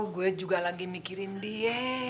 gue juga lagi mikirin dia